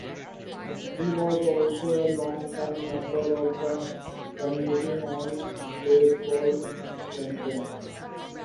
He was also a longtime member of the Committee on Baseball Veterans.